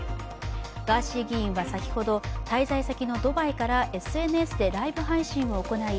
ガーシー議員は先ほど、滞在先のドバイからＳＮＳでライブ配信を行い